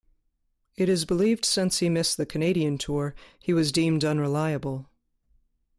It is believed since he missed the Canadian tour, he was deemed unreliable.